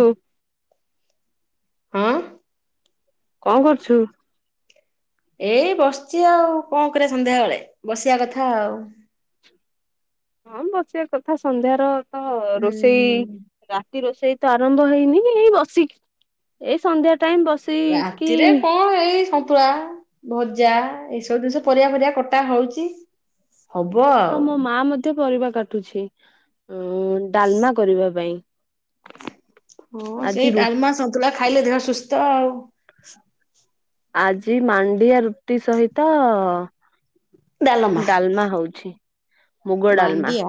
କୁ ହଁ [inaudible] କଣ କରୁଛୁ? ଏଇ ବସିଛି ଆଉ କଣ କରିବା ସନ୍ଧ୍ୟାବେଳେ ବସିବା କଥା ଆଉ। ହଁ, ବସିବା କଥା ସନ୍ଧ୍ୟାର ତ ହୁଁ ରୋଷେଇ- ରାତି ରୋଷେଇ ତ ଆରମ୍ଭ ହେଇନି ଏଇ ବସିକି ଏଇ ସନ୍ଧ୍ୟା ଟାଇମ ବସ ରାତିରେ କଣ ଏଇ ସନ୍ତୁଳା। ଭଜା ଏଇସବୁ ଜିନିଷ ପରିବା, ପରିବା କଟା ହୋଉଚି। ହବ। ହଁ ମୋ ମା ମଧ୍ୟ ପରିବା କାଟୁଛି, ଡାଲମା କରିବା ପାଇଁ। ହଁ ଆଜି ସେଇ ରୁ ଡାଲମା, ସନ୍ତୁଳା ଖାଇଲେ ଦେହ ସୁସ୍ଥ ଆଉ। ଆଜି ମାଣ୍ଡିଆ ରୁଟି ସହିତ- ଡାଲମା ହୋଉଛି, ମୁଗ ଡାଲମା। ମାଣ୍ଡିଆ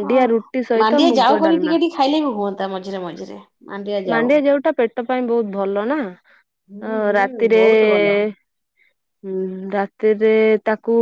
ହଁ ରୁଟି ସହିତ ମାଣ୍ଡିଆ ଯାଉ ମୁଗ କରି ଡାଲମା। ଟିକେ ଟିକେ ଖାଇଲେ ବି ହୁଅନ୍ତା ମଝିରେ ମଝିରେ ଯାଉ। ମାଣ୍ଡିଆ ଜାଉ ଟା ପେ ପେଟ ପାଇଁ ବହୁତ ଭଲ ନା। ହୁଁ ହୁଁ ରାତିରେ ବହୁତ ଭଲ ଉଁ, ରାତିରେ ତାକୁ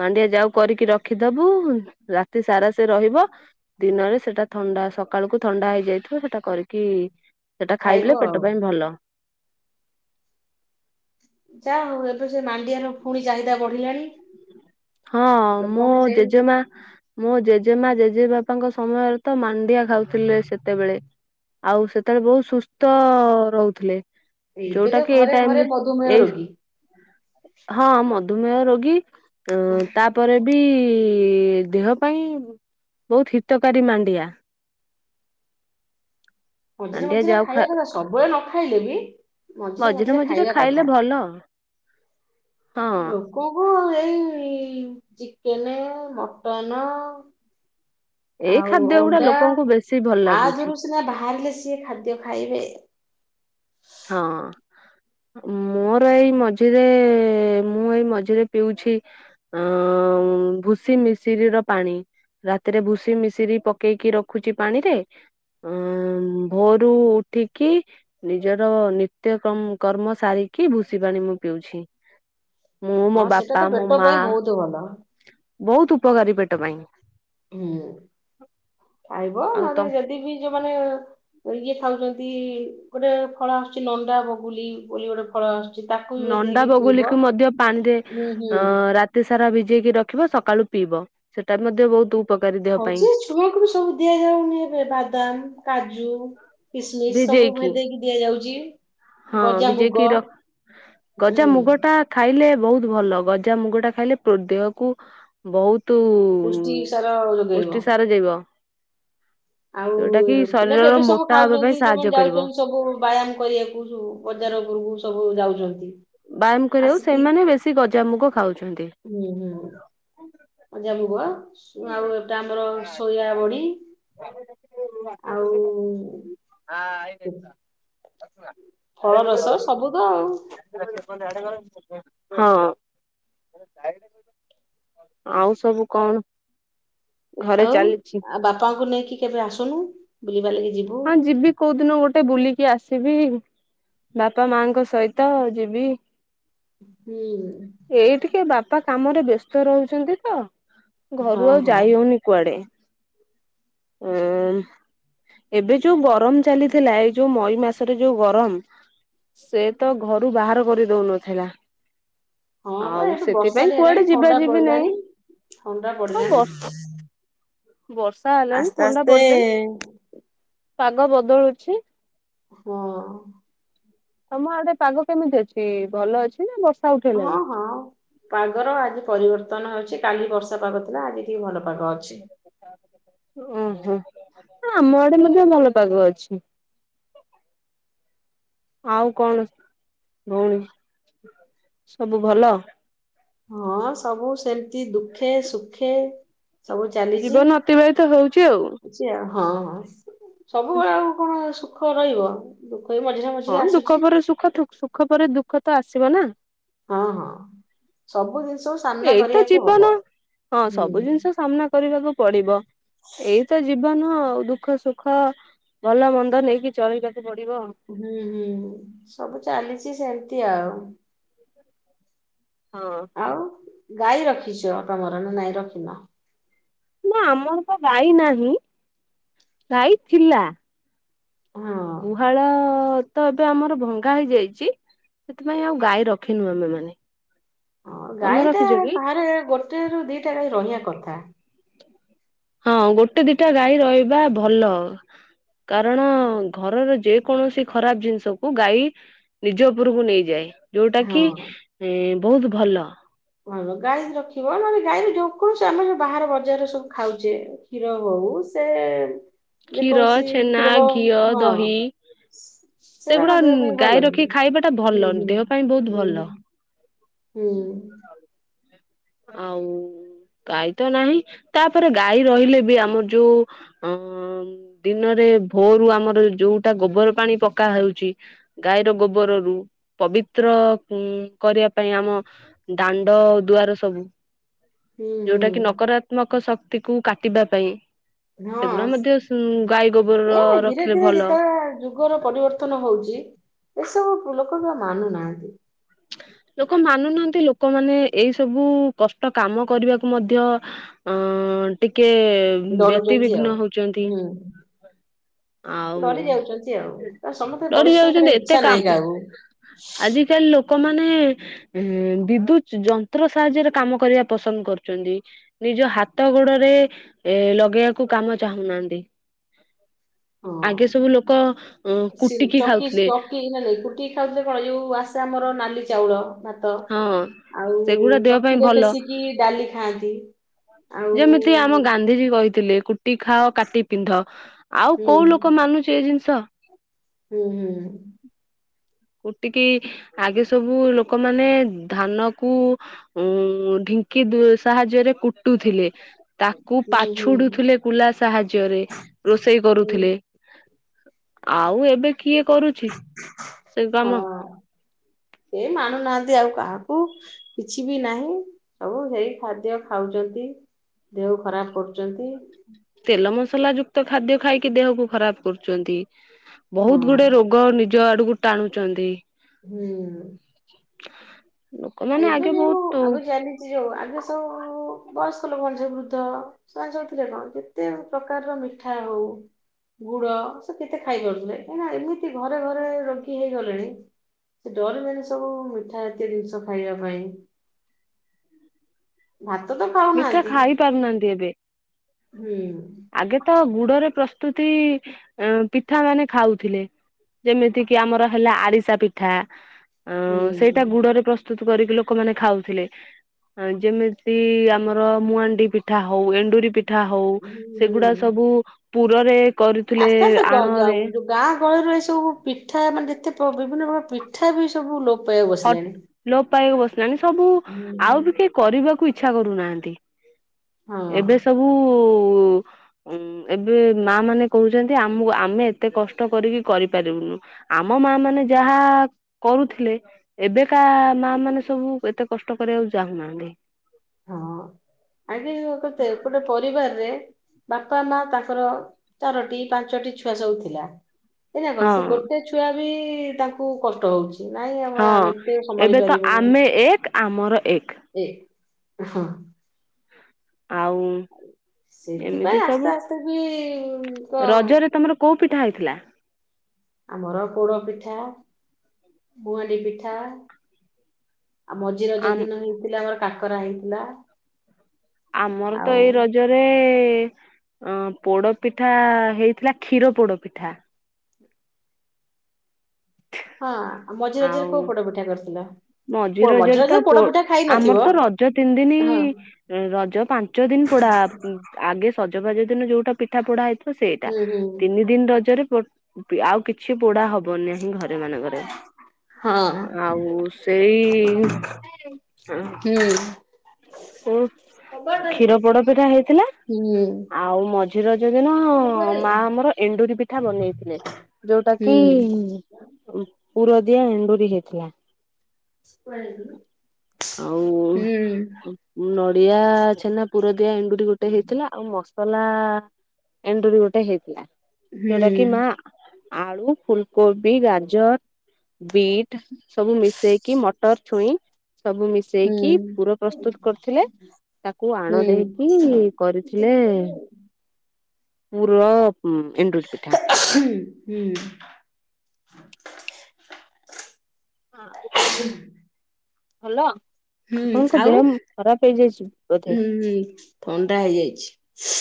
ମାଣ୍ଡିଆ ଯାଉ କରିକି ରଖିଦବୁ। ରାତି ସାରା ସେ ରହିବ। ଦିନରେ ସେଟା ଥଣ୍ଡା। ସକାଳକୁ ଥଣ୍ଡା ହେଇଯାଇଥିବ ସେଟା କରିକି ସେଟା ଖାଇବ ଖାଇଲେ ଆଉ। ପେଟ ପାଇଁ ଭଲ। ଯା ହୁଏ ତ ସେ ମାଣ୍ଡିଆର ପୁଣି ଚାହିଦା ବଢିଲାଣି। ହଁ, ମୋ ଲୋକମାନେ ସେଇ ଜେଜେମା ମୋ ଜେଜେମା ଜେଜେବାପାଙ୍କ ସମୟରେ ତ ମାନ୍ ମାଣ୍ଡିଆ ଖାଉଥିଲେ ସେତେବେଳେ। ଆଉ ସେତେବେଳେ ବହୁତ ସୁସ୍ଥ ରହୁଥିଲେ। ଏବେ ଯୋଉଟା ତ କି ଏଇ ଘରେ ଘରେ ଟାଇମ ରେ ମଧୁମେହ ଏଇ ରୋଗୀ ହଁ ମଧୁମେହ ରୋଗୀ। ତାପ୍- ତାପରେ ବି ଦେହ ପାଇଁ ବହୁତ ହିତକାରୀ ମାଣ୍ଡିଆ। ମଝିରେ ମାଣ୍ଡିଆ ମଝିରେ ଯାଉ ଖା ଖାଇବା କଥା ସବୁବେଳେ ନ ଖାଇଲେ ବି ମଝିରେ ମଝିରେ ଖାଇବା କଥା ହଁ। ର କୋହୁ ଏଇ ଚିକେନ ମଟନ। ଏଇ ଆଉ ଖାଦ୍ୟ ଗୁଡା ଅଣ୍ଡା ଲୋକଙ୍କୁ ବେଶୀ ଭଲ ଆ ଲାଗୁଛି ଧିଅରୁ ସିନା ବାହାରିଲେ ସିଏ ଖାଦ୍ୟ ଖାଇବେ। ହଁ। ମୋର ଏଇ ମଝିରେ ମୁଁ ଏଇ ମଝିରେ ପିଉଛି। ଆଁ ଭୁସି ମିସିିରି ର ପାଣି। ରାତିରେ ଭୁସି ମିଶିରି ପକେଇକି ରଖୁଛି ପାଣିରେ। ଅ ଭୋରୁ ଉଠିକି ନିଜର ନିତ୍ୟ କର୍ମ ସାରିକି ଭୁଷି ପାଣି ମୁଁ ପିଉଛି। ମୁଁ ମୋ ହଁ ସେଇଟା ବାପା ତ ମୋ ପେଟ ମାଁ। [inaudible] ବହୁତ ଉପକାରୀ ପେଟ ପାଇଁ। ହୁଁ ଖାଇବ ଆଉ ତମ ନହେଲେ ଯଦି ବି। ଯୋଉ ମାନେ ଇଏ ଖାଉଛନ୍ତି ଗୋଟେ ଫଳ ଆସୁଛି ନଣ୍ଡା ବଗୁଲି ବୋଲି ଗୋଟେ ଫଳ ଆସୁଛି ତା ନଣ୍ଡା ବଗୁଲିକୁୁ ମଧ୍ୟ ପାଣିରେ ହୁଁ ଅ ହୁଁ ରାତି ଏତେ ସାରା ଭିଜେଇକି ରଖିବ ସକାଳୁ ପିଇବ ସେଟା ମଧ୍ୟ ବହୁତ ଉପକାରୀ ଦେହ ପାଇଁ ହଉଛି ଛୁଆ କ ରୁ ସବୁ ଦିଆଯାଉନି ଏବେ ବାଦାମ କାଜୁ। କିସମିସ ସବୁ ଭିଜେଇକି ଭେଦେଇକି ଦିଆଯାଉଛି। ହଁ ଗଜାମୁଗ ବିଜେଇକି ରଖ ଗଜା ଉଁ ମୁଗ ଟା ଖାଇଲେ ବହୁତ ଭଲ ଗଜା ମୁଗ ଟା ଖାଇଲେ ଦେହକୁ ବହୁତ ପୁଷ୍ଟି ସାର ଯୋଗେଇବ ପୁଷ୍ଟି ସାର ଯିବ। ଆଉ ପିଲା ତ ଏବେ ସବୁ ମୋଟା ହେବା ପାଇଁ ଖାଉଛନ୍ତି ସାହାଯ୍ୟ ଯୋଉମାନେ କରିବ। ଯାଉଛନ୍ତି ସବୁ ବ୍ୟାୟାମ କରିବାକୁ ବଜାର ଓପୁରକୁ ସବୁ ଯାଉଛନ୍ତି। ବ୍ୟାୟାମ କରିବାକୁ ଆସିକି ସେମାନେ ବେଶୀ ଗଜାମୁଗ ଖାଉଛନ୍ତି। ହୁଁ ହୁଁ। ଗଜା ମୁଗ। ଆଉ ଏଟା ଆମର ଶୋୟାବଡି ଆଉ [unintelligible] ହୁଁ। ଫଳରସ ସବୁ ତ ଆଉ। [inaudible] ଆଉ ସବୁ କଣ? ଘରେ ଆଉ ଚାଲିଛି ଆଉ ବାପାଙ୍କୁ ନେଇକି କେବେ ଆସୁନୁ ବୁଲି ବାଲିକି ଯିବୁ। ହଁ ଯିବି କୋଉ ଦିନ ଗୋଟେ ବୁଲିକି ଆସିବି। ବାପା ମାଁଙ୍କ ସହିତ ଯିବି। ହୁଁ। ଏଇ ଟିକେ ବାପା କାମରେ ବ୍ୟସ୍ତ ରହୁଛନ୍ତି ତ ଘରୁ ହଁ ଆଉ ହଁ ଯାଇ ହଉନି। କୁଆଡେ ଏବେ ଯୋଉ ଗରମ ଚାଲିଥିଲା ଏଇ ଯୋଉ ମଇ ମାସରେ ଯୋଉ ଗରମ। ସେ ତ ଘରୁ ବାହାର କରି ଦଉନଥିଲା। ହଁ ବା ଆଉ ଏଠୁ ବର୍ଷା ସେଥିପାଇଁ ଟେ ହେଲାଣି କୁଆଡେ ଯିବା ଥଣ୍ଡା ଯିବି ନାଇଁ ପଇଲାଣି ଥଣ୍ଡା ହଉ ପଡିଲାଣି। ବ ବର୍ଷା ହେଲାାନ ଆସ୍ତେ ଥଣ୍ଡା ଆସ୍ତେ ପଡ଼ିଲାନି। ପାଗ ବଦଳୁଛି। ହଁ। ତମ ଆଡ଼େ ପାଗ କେମିତି ଅଛି ଭଲ ଅଛିନା ବର୍ଷ ହଁ ହଁ। ପାଗର ଆଜି ପରିବର୍ତ୍ତନ ହଉଛି କାଲି ବର୍ଷା ପାଗ ଥିଲା ଆଜି ଟିକେ ଭଲ ପାଗ ଅଛି। ଓହୋ ଆମ ଆଡ଼େ ମଧ୍ୟ ଭଲ ପାଗ ଅଛି। ଆଉ କଣ ଭଉଣୀ ସବୁ ଭଲ? ହଁ ସବୁ ସେମିତି ଦୁଃଖେ ସୁଖେ ସବୁ ଚାଲିଛି ଜୀବନ ଅତିବାହିତ ହଉଚି ଆଉ। ହଁ ହଁ ସବୁବେଳେ ଆଉ କଣ ସୁଖ ରହିବ, ଦୁଃଖ‌ବି ମଝି ହଁ ଦୁଃଖ ପରେ ସୁଖ ସୁଖ ପରେ ଦୁଃଖତ ଆସିବ ନା। ହଁ ହଁ ସବୁ ଜିନିଷକୁ ସାମ୍ନା ଏଇ ତ କରିବାକୁ ଜୀବନ ହବ ହଁ ହୁଁ। ସବୁ ଜିନିଷ ସାମ୍ନା କରିବାକୁ ପଡି଼ବ। ଏଇତ ଜୀବନ ଆଉ ଦୁଃଖ ସୁଖ ଭଲ ମନ୍ଦ ନେଇକି ଚଳିବାକୁ ପଡି଼ବ। ହୁଁ ହୁଁ ସବୁ ଚାଲିଚି ସେମିତି ଆଉ। [inaudible] ହଁ। ଆଉ ଗାଈ ରଖିଛ ତମର ନା ନାଇଁ ରଖିିନ? ନା ଆମରତ ଗାଈ ନାହିଁ, ଗାଈ ଥିଲା ହଁ ଗୁହାଳତ ଏବେ ଆମର ଭଙ୍ଗା ହେଇଯାଇଛି ସେଥିପାଇଁ ଆଉ ଗାଈ ରଖିନୁ ଆମେମାନେ। ହଁ ଗାଈଟା ବାହାରେ ଗୋଟେରୁ ଦିଟା ଗାଈ ରହିବା କଥା। ହଁ ଗୋଟେ ଦିଟା ଗାଈ ରହିବା ଭଲ। କାରଣ, ଘରର ଯେକୌଣସି ଖରାପ୍ ଜିନିଷକୁ ଗାଈ ନିଜ ଉପରକୁ ନେଇଯାଏ ହଁ ଯୋଉଟାକି ଏ ବହୁତ୍ ଭଲ। ହ ଗାଈ ରଖିବ, ନହେଲେ ଗାଈରେ ଯେ କୌଣସି ଆମର ଯଉ ବାହାର ବଜାରରେ ସବୁ ଖାଉଚେ କ୍ଷୀର ହୋଉ ସେ କ୍ଷୀର ଯେକୌଣସି ଛେନା ଥିର ଘିଅ ହଁ। ଦହି ସେରା ସେଗୁଡା କଣ ଦେହ ପାଇଁ ଗାଈ ଭଲ କି ରଖିକି ଖାଇବାଟା ଭଲ ହୁଁ ହୁଁ ଦେହ ପାଇଁ ବହୁତ ଭଲ ହୁଁ। ହୁଁ। ଆଉ ଗାଈତ ନାହିଁ ତାପରେ ଗାଈ ରହିଲେବି ଆମର ଯୋଉ ଅ ଦିନରେ ଭୋରୁ ଆମର ଯୋଉଟା ଗୋବରପାଣି ପକା ହେଉଚି ଗାଈର ଗୋବରରୁ ପବିତ୍ର ଉ କରିବା ପାଇଁ ଆମ ଦାଣ୍ଡ ଦୁଆର ସ ସବୁ ହୁଁ ଯୋଉଟାକି ନକରାତ୍ମକ ଶକ୍ତିକୁ କାଟିବା ପାଇଁ ହୁଁ ସେଗୁଡା଼ ହଁ ମଧ୍ୟ ଗାଈ ଗୋବର ରଖିଲେ ଭଲ। ରୋଗର ପରିବର୍ତ୍ତନ ହଉଚି ଏସବୁ ଲୋକବି ମାନୁନାହାନ୍ତି। ଲୋକ ମାନୁନାହାନ୍ତି ଲୋକମାନେ ଏଇ ସବୁ କଷ୍ଟ କାମ କରିବାକୁ ମଧ୍ୟ ଅ ଟିକେ ଡରୁଛନ୍ତି ଆଉ। ବ୍ୟତିବିଘ୍ନ ହଉଚନ୍ତି। ହୁଁ ଡରି ଯାଉଛନ୍ତି ତା ସମସ୍ତେ ଆଉ ଡ଼ରି ପରିଶ୍ରମ ଯାଉଚନ୍ତି କରିବାକୁ ଏତେ ଇଚ୍ଛା ନାହିଁ କାମ୍ କାହାକୁ ଆଜିିକାଲି ଲୋ ଲୋକମାନେ ବିଦ୍ୟୁତଯନ୍ତ୍ର ସାହାଯ୍ୟରେ କାମ କରିବା ପସନ୍ଦ କରୁଚନ୍ତି। ନିଜ ହାତ ଗୋଡ଼ରେ ଏ ଲଗେଇବାକୁ କାମ ଚାହୁଁନାହାନ୍ତି। ହଁ। ଆଗେ ସବୁ ଲୋକ ଅ ସେ କୁଟିକି ଚକି ଖାଉଥିଲେ। ଚକି ନାଇଁ କୁଟିକି ଖାଉଥିଲେ କଣ, ଏଯୋଉ ଆସେ ଆମର ନାଲି ଚାଉଳ ଭାତ ହଁ। ଆଉ ସେଗୁଡା ଦେହ ପାଇଁ ଚକିରେ ଭଲ ପେସିକି ଡା଼ଲି ଖାଆନ୍ତି। ଆଉ ଯେମିତି ଆମ ଗାନ୍ଧିଜୀ କହିଥିଲେ କୁ ଟିକେ ଖାଅ କାଟି ପିନ୍ଧ। ଆଉ ହୁଁ କୋଉ ଲୋକ ମାନୁଚି ଏ ଜିନିଷ। ହୁଁ ହୁଁ। କୁଟିକି ଆଗେ ସବୁ ଲୋକମାନେ ଧାନକୁ ଉ ଢି଼ଙ୍କି ଦୁ‌ ସାହାଯ୍ୟରେ କୁ ଟୁଥିଲେ ତାକୁ ହୁଁ ହୁଁ ପାଛୁଡ଼ୁଥୁଲେ କୁଲା ସାହାଯ୍ୟରେ ରୋଷେଇ ହୁଁ କରୁଥିଲେ। ଆଉ ଏବେ କିଏ କରୁ ହଁ କେହି ମାନୁନାହାନ୍ତି ଆଉ କାହାକୁ। କିଛି ବି ନାହିଁ। ସବୁ ସେଇ ଖାଦ୍ୟ ଖାଉଚନ୍ତି। ଦେହ ଖରାପ କରୁଚନ୍ତି। ତେଲ ମସଲା ଯୁକ୍ତ ଖାଦ୍ୟ ଖାଇକି ଦେହକୁ ଖରାପ କରୁଚନ୍ତି। ହଁ ବହୁତ ଗୁଡେ ରୋଗ ନିଜ ଆଡକୁ ଟାଣୁଚନ୍ତି। ହୁଁ। ଲୋକମାନେ ଆଗେ ବହୁତ ଯ ଯୋଉ ଆଗେ ସବୁ ବୟସ୍କ ଲୋକମାନେ ସବୁ ବୃଦ୍ଧ ଶୁଣ ଯାଉଥିଲେ କଣ କେତେ ପ୍ରକାରର ମିଠା ହଉ। ଗୁଡ ସେ କେତେ ଖାଇପାରୁଥିଲେ, ଆପଣ ଏମିତି ଘରେ ଘରେ ରୋଗୀ ହେଇଗଲେଣି। ସେ ଡରିବନି ସବୁ ମିଠା ଜାତୀୟ ଜିନିଷ ଖାଇବା ପାଇଁ। ଭାତ ତ ମିଠା ଖାଉନାହାନ୍ତି ଖାଇ ପାରୁନାହାନ୍ତି ଏବେ। ହୁଁ। ଆଗେ ତ ଗୁଡରେ ପ୍ରସ୍ତୁତି ପିଠା ମାନେ ଖାଉଥିଲେ। ଯେମିତି କିି ଆମର ହେଲା ଆଡିଶା ପିଠା ଅ ହୁଁ ସେଇଟା ଗୁଡରେ ପ୍ରସ୍ତ ସ୍ତୁତ କରିକି ଲୋକମାନେ ଖାଉଥିଲେ। ହଁ ଯେମିତି ଆମର ମଣ୍ଡି ପିଠା ହଉ ଏଣ୍ଡୁରି ପି ଠା ହଉ ହୁଁ ସେଗୁଡା ହୁଁ। ସବୁ ପୁରରେ କରୁଥିଲେ ଆସ୍ତେ ଆସ୍ତେ ଗ ଯ- ଆଣରେ ଯୋଉ ଗାଁ ଗହଳିରୁ ଏ ସବୁ ପିଠା ମାନେ ଯେତେ ବିଭିନ୍ନ ପ୍ରକାର ପିଠା ବି ସବୁ ଲୋପ ପାଇବା ହଟ ବସିଲାଣି। ଲୋପ ପାଇବା ବସିଲାଣି। ସବୁ ଆଉ ବି ହଁ କେହି କରିବାକୁ ଇଚ୍ଛା କରୁନାହାନ୍ତି। ଏବେ ସବୁ ଉଁ ଏବେ ମା ମାନେ କହୁଚନ୍ତି ଆମକୁ ଆମେ ଏତେ କଷ୍ଟ କରିକି କରିପାରିବୁନୁ। ଆମ ମା ମାନେ ଯାହା କରୁଥିଲେ ଏବେକା ମା ମାନେ ସବୁ ଏତେ କଷ୍ଟ କରିବାକୁ ଚାହୁଁନାହାନ୍ତି। ହଁ ଆଜ୍ଞା କତେ ଏପଟେ ପରିବାରରେ ବାପା ମା ତାଙ୍କର ଚାରୋଟି ପାଞ୍ଚଟି ଛୁଆ ସବୁ ଥିଲା। ଏଇନା କଣ ସେ ହଁ ଗୋଟେ ଛୁଆ ବି ତାଙ୍କୁ କଷ୍ଟ ହଉଚି ନାଇଁ ଆମେ ଆ ହଁ ଏତେ ସମ୍ଭାଳି ଏବେ ତ ପାରିବୁନି। ଆମେ ଏକ ଆମର ଏକ। ଏ ହଁ। ଆଉ ଆ ଏମିତି ସେଥିପାଇଁ ସବୁ ଆସ୍ତେ ଆସ୍ତେ ବି କଣ କେଉଁ ପିଠା ହୋଇଥିଲା? ଆମର ପୋଡ ପିଠା ବୁହାଣ୍ଡି ପିଠା। ଆଉ ମଝିରେ ଯୋ ଆମ ଦିନ ହେଇଥିଲା ଆମର କାକରା ହେଇଥିଲା। ଆମର ତ ଆଉ ଏଇ ରଜ ରଜରେ ଅ ପୋଡପିଠା ହେଇଥିଲା କ୍ଷୀର ପୋଡପିଠା। ହଁ ମଝିରେ ମଝିରେ ଆଉ କୋଉ ପୋଡ ପିଠା କରିଥିଲ? ମଝି ପୋ- ରଜରେ ତ ପୋ ପୋଡ ପିଠା ଖାଇ ଆମର ନଥିବ ତ ରଜ ତିନି ଦିନ ହଁ ଉ ରଜ ପାଞ୍ଚ ଦିନ ପୋଡା ଆଗେ ସଜବାଜ ଦିନ ଯୋଉଟା ପିଠା ପୋଡା ହେଇ ତ ସେଇଟା ହୁଁ ହୁଁ ତିନି ଦିନ ରଜରେ ପୋ ଆଉ କିଛି ପୋଡା ହବନି ନାଁ ଘରେ। ମାନଙ୍କ ଘରେ ହଁ ଆଉ ସେଇ। ହୁଁ। ଓ କ୍ଷୀର ପୋଡ ପିଠା ହେଇଥିଲା ହୁଁ ଆଉ ମଜ ମଝି ରଜ ଦିନ ହୁଁ ମା ଆମର ଏଣ୍ଡୁରି ପିଠା ବନେଇଥିଲେ ଯୋଉଟା କି ହୁଁ ହୁଁ କୁ ପୁର ଦିଆ ଏଣ୍ଡୁରି ହେଇଥିଲା। ହ ଆଉ ନଡିଆ ଛେନା ପୁରଦିଆ ଏଣ୍ଡୁରି ଗୋଟେ ହେଇଥିଲା। ଆଉ ମସଲା ଏଣ୍ଡୁରି ଗୋଟେ ହେଇଥିଲା ଯୋଉଟା କି ମା। ହୁଁ ଆଳୁ ଫୁଲକୋବି ଗାଜର। ବିଟ୍ ସବୁ ମିଶେଇକି ମଟର ଛୁଇଁ ସବୁ ମିଶ୍। ଦେଇକି ପୁର ପ୍ରସ୍ତୁତ କରିଥିଲେ ତାକୁ ଆଣ ହୁଁ। ଦେଇକି କରିଥିଲେ। ହୁଁ ପୁର ଉଁ ଏଣ୍ଡୁରି ପିଠା। [unintelligible] ହଁ ଗୁଟେ ଗୁ ଭଲ। ହୁଁ ଆପଣଙ୍କ ଆଉ ଦେହ ଖରାପ ହେଇଯାଇଛି ବୋଧେ ହୁଁ ଥଣ୍ଡା ହେଇଯାଇଛି।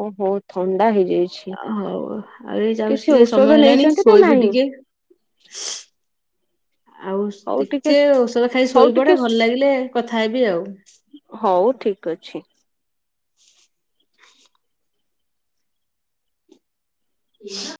ଓ ହୋ ଥଣ୍ଡା ହେଇଯାଇଛି। ଅ ହଉ ଆଉ ଏ ଯାଉଛି କିଛି ଟିକେ ଔଷଧ ସମୟ ହେଲାଣି ନେଇଛନ୍ତି ନା ଶୋଇବି ନାହିଁ ଟିକେ। ଆଉ ଟିକେ ଔଷଧ ଖାଇ ହଉ ଟିକେ ଶୋଇପଡେ ଭଲ ଲାଗିଲେ କଥା ହେବି ଆଉ। ହଉ ଠିକ୍ ଅଛି। ହ